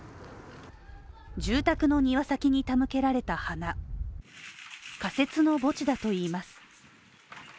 住宅の庭先に手向けられた花仮設の墓地だといいます。